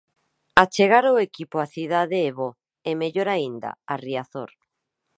Achegar o equipo á cidade é bo, e mellor aínda a Riazor.